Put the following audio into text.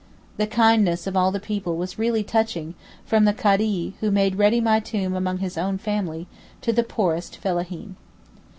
The kindness of all the people was really touching, from the Cadi, who made ready my tomb among his own family, to the poorest fellaheen."